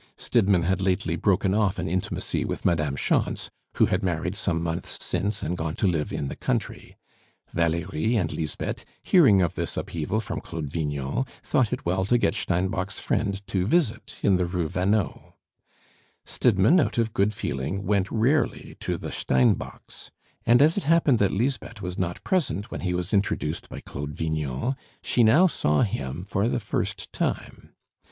Stidmann had lately broken off an intimacy with Madame Schontz, who had married some months since and gone to live in the country. Valerie and Lisbeth, hearing of this upheaval from Claude Vignon, thought it well to get Steinbock's friend to visit in the Rue Vanneau. Stidmann, out of good feeling, went rarely to the Steinbocks'; and as it happened that Lisbeth was not present when he was introduced by Claude Vignon, she now saw him for the first time.